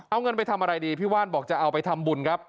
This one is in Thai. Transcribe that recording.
เอาเงินไปทำอะไรดีพี่ว่านบอกจะเอาไปทำบุญครับ